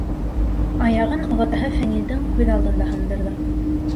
Аяғын олатаһы Фәнилдең күҙ алдында һындырҙы.